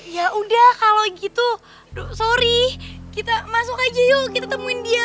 ya udah kalau gitu sorry kita masuk aja yuk kita temuin dia